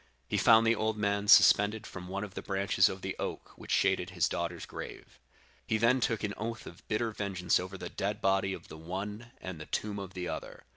He found the old man suspended from one of the branches of the oak which shaded his daughter's grave. He then took an oath of bitter vengeance over the dead body of the one and the tomb of the other.